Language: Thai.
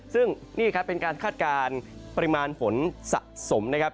ซึ่งนี่ครับเป็นการคาดการณ์ปริมาณฝนสะสมนะครับ